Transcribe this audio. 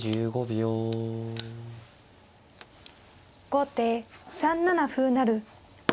後手３七歩成。